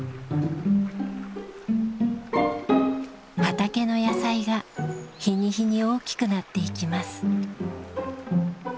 畑の野菜が日に日に大きくなっていきます。